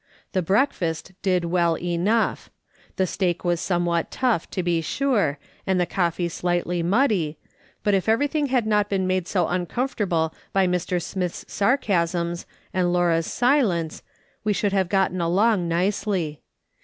The breakfast did well enough ; the steak was somewhat tough, to be sure, and the coffee slightly muddy, but if everything had not been made so un comfortable by ^Ir. Smith's sarcasms and Laura's silence, we should have gotten along nicely.